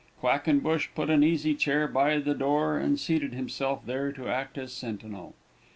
Quackenbush put an easy chair by the door, and seated himself there to act as sentinel.